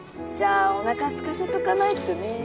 じゃあおなかすかせとかないとね。